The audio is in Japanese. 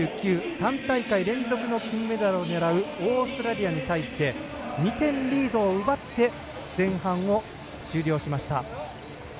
３大会連続の金メダルを狙うオーストラリアに対して２点リードを奪って前半を終了しました。